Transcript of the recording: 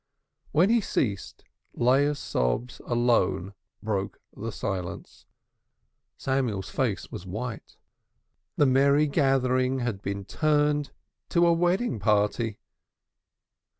When he ceased, Leah's sobs alone broke the silence. Samuel's face was white. The merry gathering had been turned to a wedding party.